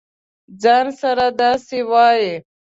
ځـان سره داسې وایې.